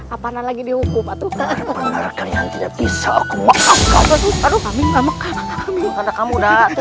apanah lagi dihukum atuh bener bener kalian tidak bisa aku maafkan kamu